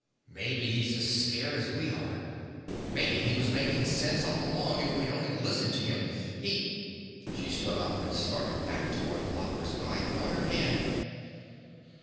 Maybe he's as scared as we are. Maybe he was making sense all along, if we'd only listened to him. He " She stood up and started back toward the lockers, but I caught her hand.